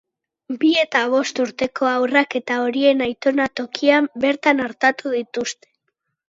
Bi eta bost urteko haurrak eta horien aitona tokian bertan artatu dituzte.